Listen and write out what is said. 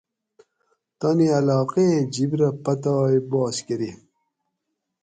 تانی علاقیں جِب رہ پتائے بحث کۤری